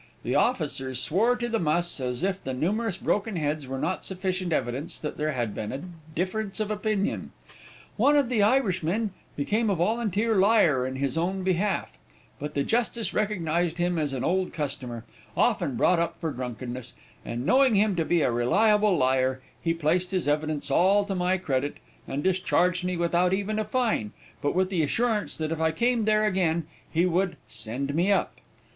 The officers swore to the muss, as if the numerous broken heads were not sufficient evidence that there had been a difference of opinion. One of the Irishmen became a volunteer liar in his own behalf, but the Justice recognized him as an old customer, often brought up for drunkenness, and knowing him to be a reliable liar, he placed his evidence all to my credit, and discharged me without even a fine, but with the assurance that if I came there again he would 'send me up.'